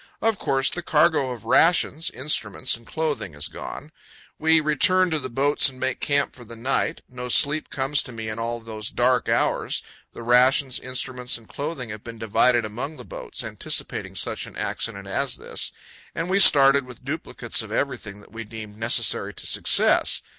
Of course, the cargo of rations, instruments, and clothing is gone. We return to the boats and make camp for the night. No sleep comes to me in all those dark hours. The rations, instruments, and clothing have been divided among the boats, anticipating such an accident as this; and we started with duplicates of everything that was deemed necessary to success.